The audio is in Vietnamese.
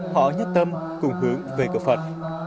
họ nhất tâm cùng hướng về cờ phật